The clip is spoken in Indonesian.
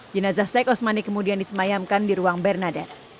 jenazah saek osmani kemudian disemayamkan di ruang bernadet